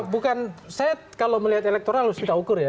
bukan saya kalau melihat elektoral harus kita ukur ya